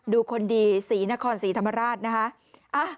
คนดีศรีนครศรีธรรมราชนะคะ